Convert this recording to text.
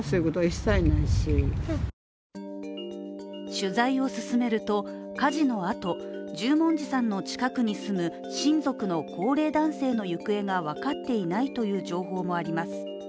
取材を進めると、火事のあと、十文字さんの近くに住む親族の高齢男性の行方が分かっていないという情報もあります。